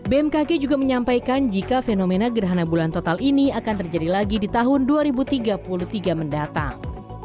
bmkg juga menyampaikan jika fenomena gerhana bulan total ini akan terjadi lagi di tahun dua ribu tiga puluh tiga mendatang